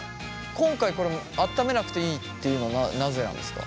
今回これ温めなくていいっていうのはなぜなんですか？